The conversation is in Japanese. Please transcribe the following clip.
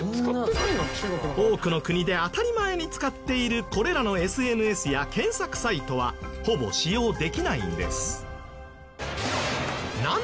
多くの国で当たり前に使っているこれらのＳＮＳや検索サイトはほぼ使用できないんです。